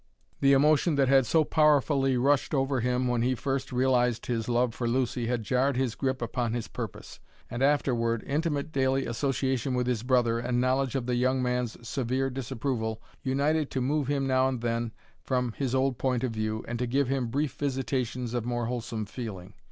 The emotion that had so powerfully rushed over him when he first realized his love for Lucy had jarred his grip upon his purpose; and afterward intimate daily association with his brother and knowledge of the young man's severe disapproval united to move him now and then from his old point of view and to give him brief visitations of more wholesome feeling.